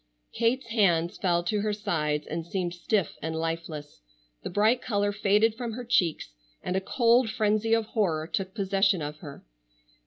Kate's hands fell to her sides, and seemed stiff and lifeless. The bright color faded from her cheeks, and a cold frenzy of horror took possession of her.